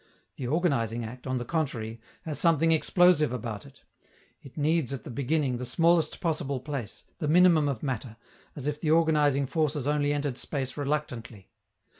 The organizing act, on the contrary, has something explosive about it: it needs at the beginning the smallest possible place, a minimum of matter, as if the organizing forces only entered space reluctantly.